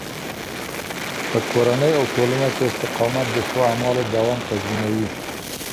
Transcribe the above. په کورني او ټولنه کې استقامت د ښو اعمالو دوام تضمینوي.